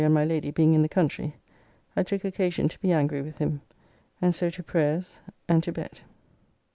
and my Lady being in the country), I took occasion to be angry with him, and so to prayers and to bed.